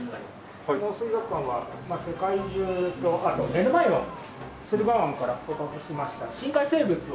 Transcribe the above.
この水族館は世界中とあと目の前の駿河湾から捕獲しました深海生物を。